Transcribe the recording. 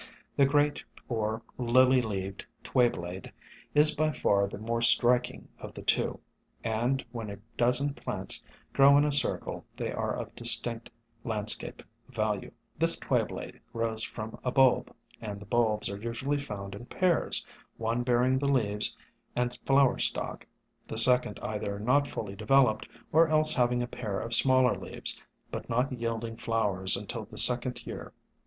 The Great or Lily leaved Tway blade is by far the more striking of the two, and when a dozen plants grow in a circle they are of distinct landscape value. This Twayblade grows from a bulb, and the bulbs are usually found in pairs, one bearing the leaves and flower stalk, the sec ond either not fully de veloped or else having a pair of smaller leaves, but not yielding flowers until the second year.